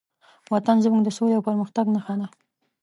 وطن زموږ د سولې او پرمختګ نښه ده.